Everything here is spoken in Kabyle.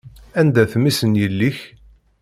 Anda-t mmi-s n yelli-k?